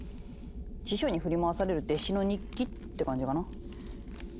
師匠に振り回される弟子の日記って感じかな。